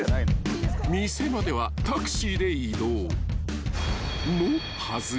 ［店まではタクシーで移動のはずが］